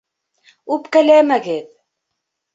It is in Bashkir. Үпкәләмәгеҙ!